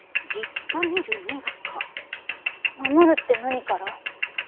守るって何から？